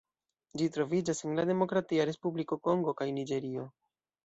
Ĝi troviĝas en la Demokratia Respubliko Kongo kaj Niĝerio.